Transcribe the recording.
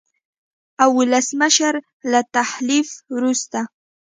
او ولسمشر له تحلیف وروسته